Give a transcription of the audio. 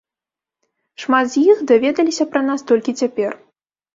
Шмат з іх даведаліся пра нас толькі цяпер.